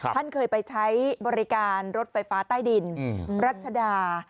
ท่านเคยไปใช้บริการรถไฟฟ้าใต้ดินรัชดา